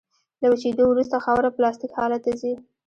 له وچېدو وروسته خاوره پلاستیک حالت ته ځي